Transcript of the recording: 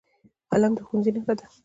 قلم د ښوونځي نښه ده